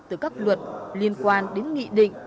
từ các luật liên quan đến nghị định